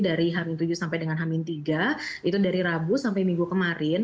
dari h tujuh sampai dengan hamin tiga itu dari rabu sampai minggu kemarin